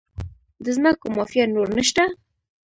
د ځمکو مافیا نور نشته؟